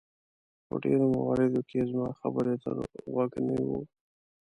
په ډېرو مواردو کې یې زما خبرې ته غوږ نیوه.